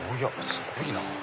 すごいな。